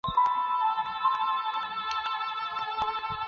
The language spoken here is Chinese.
柳丝藻为眼子菜科眼子菜属下的一个种。